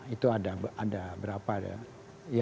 itu ada berapa ya